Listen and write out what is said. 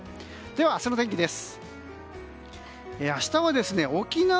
では明日の天気です。